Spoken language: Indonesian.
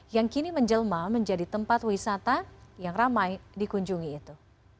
yang kini menjelma menjadi tempat wisata yang ramai dikunjungi itu